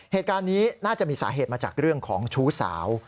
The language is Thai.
เหตุการณ์นี้น่าจะมีสาเหตุมาจากเรื่องของชู้สาว